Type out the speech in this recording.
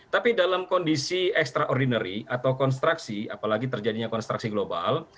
tapi dalam kondisi extraordinary atau konstruksi apalagi terjadinya konstruksi global